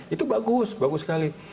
itu bagus bagus sekali